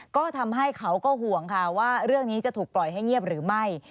ก็ทำให้เขาก็ห่วงค่ะว่าเรื่องนี้จะถูกปล่อยให้เงียบหรือไม่